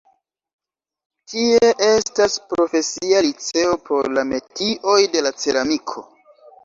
Tie estas profesia liceo por la metioj de la ceramiko.